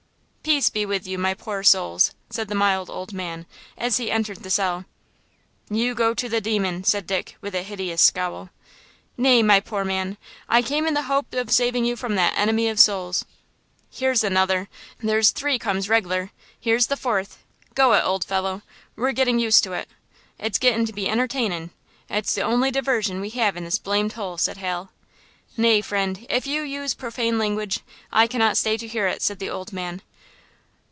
"Peace be with you, my poor souls," said the mild old man, as he entered the cell. "You go to the demon!" said Dick, with a hideous scowl. "Nay, my poor man, I came in the hope of saving you from that enemy of souls!" "Here's another! There's three comes reg'lar! Here's the fourth! Go it, old fellow! We're gettin' used to it! It's gettin' to be entertainin'! It's the only diversion we have in this blamed hole," said Hal. "Nay, friend, if you use profane language, I cannot stay to hear it," said the old man.